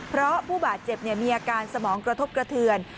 เพราะผู้บาดเจ็บมีอาการสมองกระทบกระเทือน